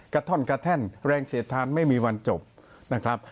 ท่อนกระแท่นแรงเสียดทานไม่มีวันจบนะครับ